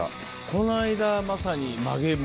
この間まさにまげも。